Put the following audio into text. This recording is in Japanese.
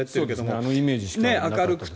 あのイメージしかなくて。